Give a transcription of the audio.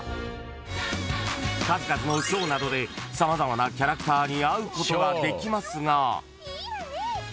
［数々のショーなどで様々なキャラクターに会うことができますが］